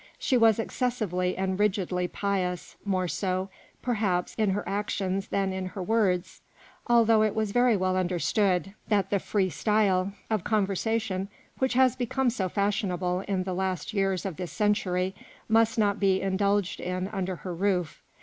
She was excessively and rigidly pious more so, perhaps, in her actions than in her words ; although it was very well understood that the free style of conversation which has become so fashionable in the last years of this century must not be indulged in under her roof.